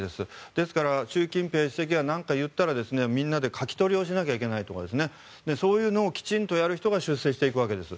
ですから習近平主席が何か言ったらみんなで書き取りをしなきゃいけないとかそういうのをきちんとやる人が出世していくわけです。